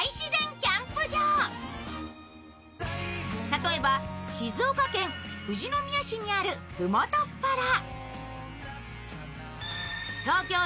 例えば静岡県富士宮市にあるふもとっぱら。